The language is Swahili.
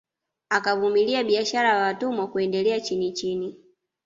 Akavumilia biashara ya watumwa kuendelea chinichini